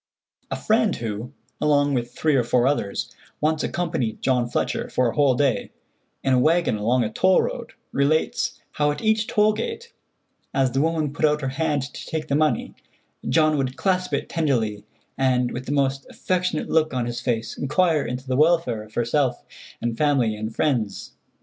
A friend who, along with three or four others, once accompanied John Fletcher for a whole day, in a wagon along a toll road, relates how at each toll gate, as the woman put out her hand to take the money, John would clasp it tenderly, and, with the most affectionate look on his face, inquire into the welfare of herself and family and friends.